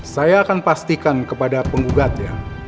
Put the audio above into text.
saya akan pastikan kepada penggugatnya